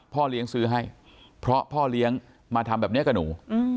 พ่อเลี้ยงซื้อให้เพราะพ่อเลี้ยงมาทำแบบนี้กับหนู